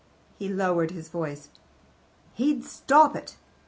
He lowered his voice. "He'd stop it."